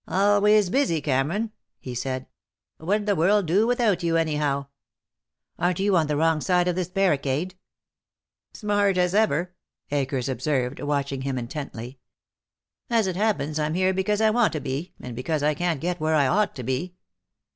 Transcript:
"Always busy, Cameron," he said. "What'd the world do without you, anyhow?" "Aren't you on the wrong side of this barricade?" "Smart as ever," Akers observed, watching him intently. "As it happens, I'm here because I want to be, and because I can't get where I ought to be."